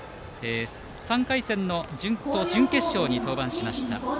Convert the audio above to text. ３回戦の準決勝に登板しました。